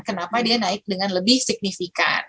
kenapa dia naik dengan lebih signifikan